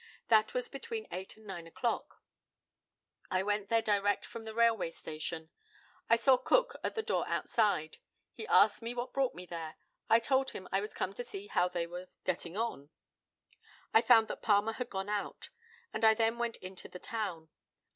That was between eight and nine o'clock. I went there direct from the railway station. I saw Cook at the door outside. He asked me what brought me there. I told him I was come to see how they were getting on. I found that Palmer had gone out, and I then went into the town.